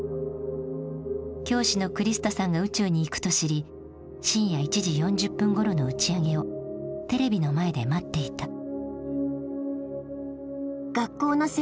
教師のクリスタさんが宇宙に行くと知り深夜１時４０分ごろの打ち上げをテレビの前で待っていた。